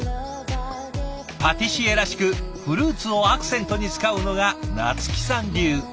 パティシエらしくフルーツをアクセントに使うのが菜月さん流。